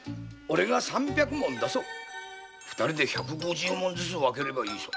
二人で百五十文ずつ分ければいいさ。